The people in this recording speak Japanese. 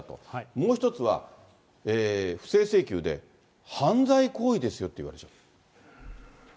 もう一つは、不正請求で犯罪行為ですよって言われちゃう。